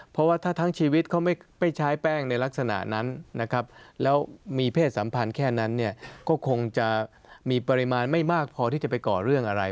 เพราะว่าถ้าทั้งชีวิตเขาไม่ใช้แป้งในลักษณะนั้นนะครับแล้วมีเพศสัมพันธ์แค่นั้นเนี่ยก็คงจะมีปริมาณไม่มากพอที่จะไปก่อเรื่องอะไร